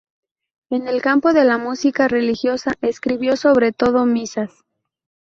En el campo de la música religiosa escribió sobre todo misas.